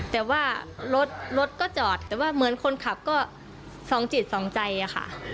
แต่ว่ารถรถก็จอดแต่ว่าเหมือนคนขับก็สองจิตสองใจอะค่ะ